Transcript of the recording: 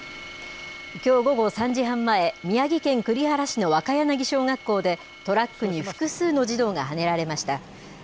きょう午後３時半前宮城県栗原市の若柳小学校でトラックに複数の児童がはねられました。